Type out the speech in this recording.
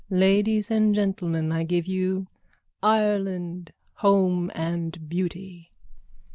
_ Ladies and gentlemen, I give you Ireland, home and beauty.